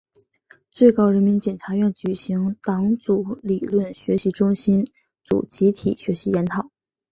最高人民检察院举行党组理论学习中心组集体学习研讨